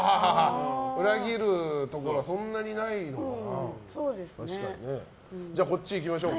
裏切るところはそんなにないのかな。